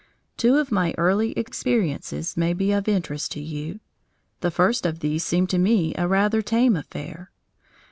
Two of my early experiences may be of interest to you. The first of these seemed to me a rather tame affair.